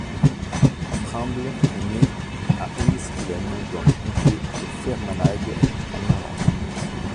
Trimble est née à Enniskillen dans le Comté de Fermanagh, en Irlande.